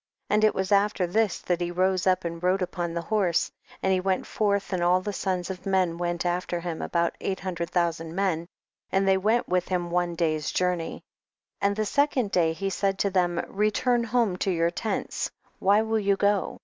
32. And it was after this that he rose up and rode upon the horse ; and he went forth and all the sons of men went after him, about eight hundred thousand men ; and they went with him one day's journey. 33. And the second day he said to them, return home to your tents, why will you go